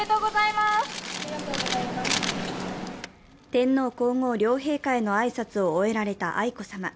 天皇・皇后両陛下への挨拶を終えられた愛子さま。